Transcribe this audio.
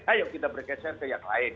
ayo kita bergeser ke yang lain